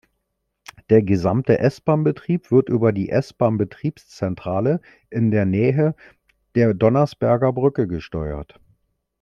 Der gesamte S-Bahn-Betrieb wird über die S-Bahn-Betriebszentrale in der Nähe der Donnersbergerbrücke gesteuert.